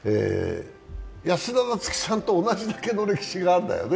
安田菜津紀さんと同じだけの歴史があるんだよね。